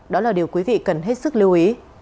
đó là điều quý vị cần hết sức lưu ý